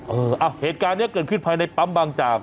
เอออ่ะเหตุการณ์นี้เกิดขึ้นภายในปั๊มบางจาก